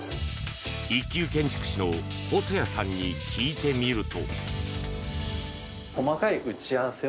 一級建築士の細谷さんに聞いてみると。